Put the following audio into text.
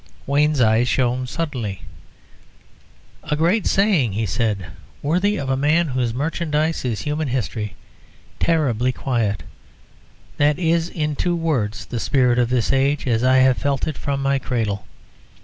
Wayne's eyes shone suddenly. "A great saying," he said, "worthy of a man whose merchandise is human history. Terribly quiet; that is in two words the spirit of this age, as I have felt it from my cradle.